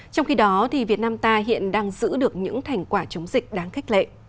trong khi đó việt nam ta hiện đang giữ được những thành quả chống dịch đáng khách lệ